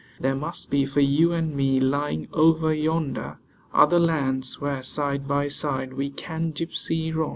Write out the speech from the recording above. There must be for you and me, lying over Yonder, Other lands, where side by side we can gypsy on.